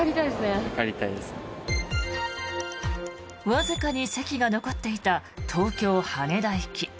わずかに席が残っていた東京・羽田行き。